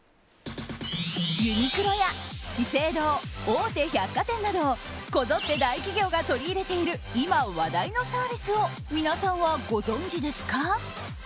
ユニクロや資生堂大手百貨店などこぞって大企業が取り入れている今、話題のサービスを皆さんはご存知ですか。